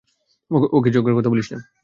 ওকে ঝগড়ার কথা বলিস না।